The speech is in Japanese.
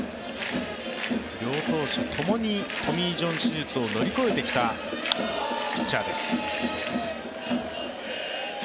両投手ともにトミー・ジョン手術を乗り越えてきたピッチャーです。